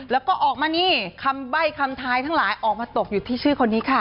แล้วก็ออกมานี่คำใบ้คำทายทั้งหลายออกมาตกอยู่ที่ชื่อคนนี้ค่ะ